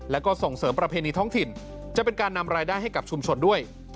แล้วก็ส่งเสริมประเพณีท้องถิ่นจะเป็นการนำรายได้ให้กับชุมชนด้วย